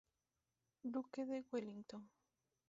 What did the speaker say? Duque de Wellington.